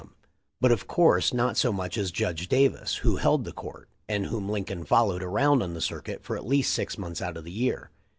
32>J him, but of course not so much as Judge Davis, who held the court, and whom Lincoln followed around on the circuit for at least six months out of the year.